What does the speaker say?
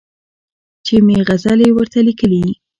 چي مي غزلي ورته لیکلې